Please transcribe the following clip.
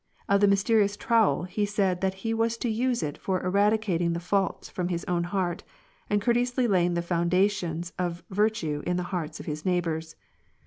Of the mysterious trowel, he said that he was to use it for eradicating the faults from his own heart, and courteously laying the foundations of virtue in the hearts of his neighbors.